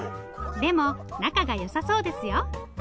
でも仲が良さそうですよ。